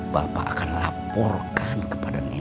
bapak akan laporkan kepada nenek